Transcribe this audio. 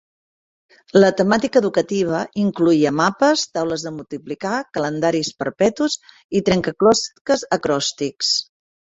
La temàtica educativa incloïa mapes, taules de multiplicar, calendaris perpetus i trencaclosques acròstics.